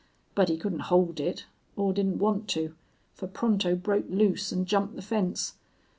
But he couldn't hold it, or didn't want to, fer Pronto broke loose an' jumped the fence.